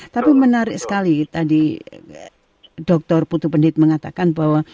tapi menarik sekali tadi dr putu pendit mengatakan bahwa